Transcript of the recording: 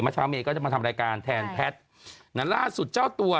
เช้าเมย์ก็จะมาทำรายการแทนแพทย์นั้นล่าสุดเจ้าตัว